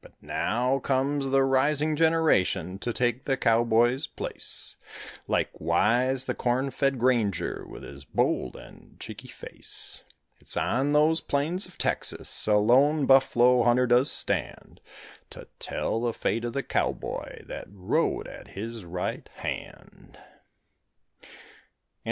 But now comes the rising generation to take the cowboy's place, Likewise the corn fed granger, with his bold and cheeky face; It's on those plains of Texas a lone buffalo hunter does stand To tell the fate of the cowboy that rode at his right hand.